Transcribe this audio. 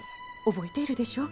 覚えているでしょ。